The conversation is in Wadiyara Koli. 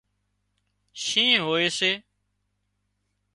شِينهن هوئي سي